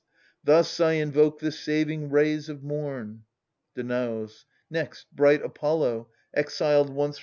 Thus I invoke the saving rays of mom. Danaus. Next, bright Apollo, exiled once from heaven.